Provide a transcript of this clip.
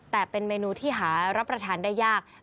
แต่เป็นเมนูที่หารับประทานได้ยาก